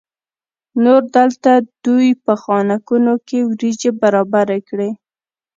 نور دلته دوی په خانکونو کې وریجې برابرې کړې.